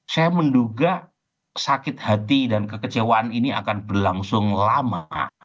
saya menduga sakit hati dan kekecewaan ini akan berlangsung lama